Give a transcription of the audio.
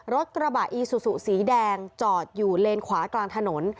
รถกระบะอีซูซูสีแดงจอดอยู่เลนขวากลางถนน